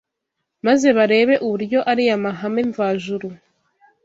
maze barebe uburyo ariya mahame mvajuru